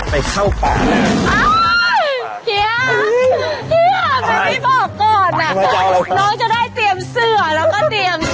ไม่ใช่ป่ายังงั้น